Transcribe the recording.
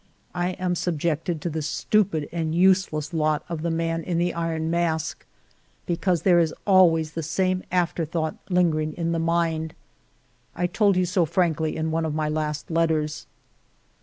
I am subjected to the stupid and useless lot of the man in the iron mask, because there is always that same afterthought lingering in the mind ; I told you so frankly in one of my last letters.